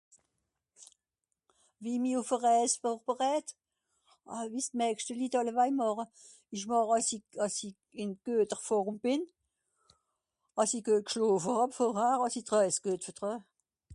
wie mi ùff a Rääse vòrbereet wie s'maigschte Lit àllewaij màche ìsch màch àss'i àss'i ìn gueter Forme bìn àss'i guet g'schlàfe hàb àss'i d'Rääs guet vertreeu